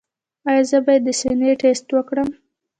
ایا زه باید د سینې ټسټ وکړم؟